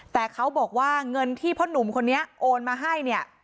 แต่เขาบอกว่าเงินที่พ่อหนุ่มคนนี้โอนมาให้เนี่ย